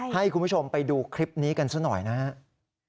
ให้คุณผู้ชมไปดูคลิปนี้กันซะหน่อยนะครับ